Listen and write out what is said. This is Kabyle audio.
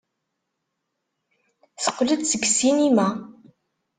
Teqqel-d seg ssinima.